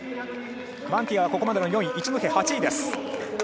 マンティアはここまでの４位一戸は８位です。